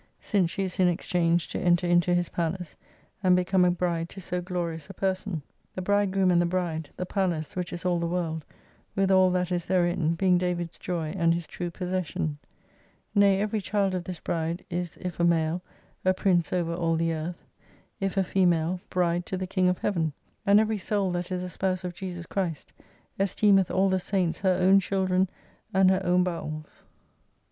Since she is in exchange to enter into His palace, and become a bride to so glorious a person. The Bridegroom and the Bride, the Palace (which is all the world) with all that is therein, being David's joy and his true possession. Nay every child of this Bride is if a mal e, a Prince over all the earth ; if a female, Bride to the King of Heaven. And every Soul that is a spouse of Jesus Christ, esteemeth all the Saints her own children and her own bowels.